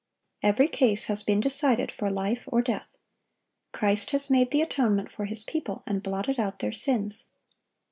(1054) Every case has been decided for life or death. Christ has made the atonement for His people, and blotted out their sins.